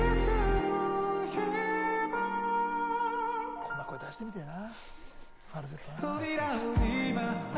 こんな声、出してみてぇな。